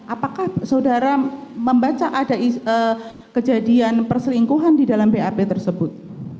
apakah saudara membaca ada kejadian perselingkuhan di dalam bap tersebut